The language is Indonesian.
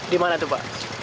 di mana tuh pak